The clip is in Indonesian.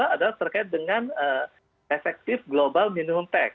adalah terkait dengan efektif global minimum tax